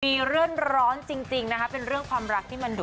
มีเรื่องร้อนจริงนะคะเป็นเรื่องความรักที่มันดู